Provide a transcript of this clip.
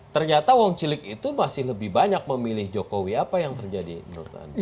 ternyata wong cilik itu masih lebih banyak memilih jokowi apa yang terjadi menurut anda